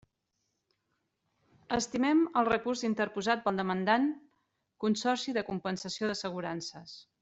Estimem el recurs interposat pel demandant Consorci de Compensació d'Assegurances.